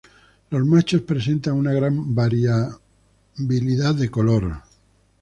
Los machos presentan una gran variabilidad de color.